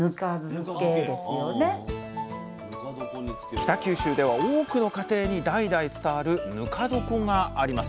北九州では多くの家庭に代々伝わるぬか床があります。